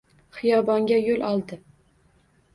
Xiyobonga yo‘l oldi.